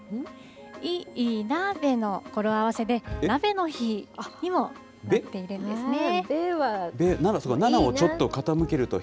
いいなべの語呂合わせで、鍋の日にもなっているんですね。